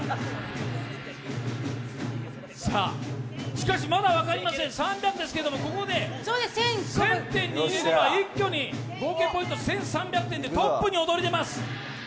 しかしまだ分かりません、３００ですけどここで１０００点に入れれば一挙に合計ポイント１３００点でトップに躍り出ます。